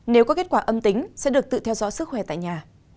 nếu có kết quả âm tính sẽ được tự theo dõi sức khỏe tại nhà